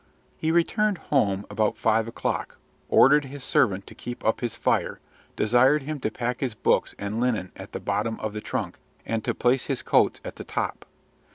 He returned home about five o'clock, ordered his servant to keep up his fire, desired him to pack his books and linen at the bottom of the trunk, and to place his coats at the top.